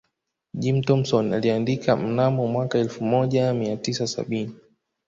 Jim thompson aliandika mnamo mwaka elfu moja mia tisa sabini